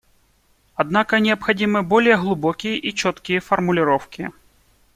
Однако необходимы более глубокие и четкие формулировки.